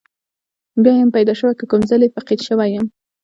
بیا یم پیدا شوی که کوم ځلې فقید شوی یم.